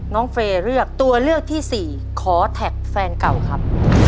เฟย์เลือกตัวเลือกที่สี่ขอแท็กแฟนเก่าครับ